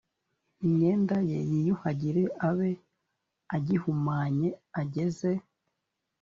imyenda ye yiyuhagire abe agihumanye ageze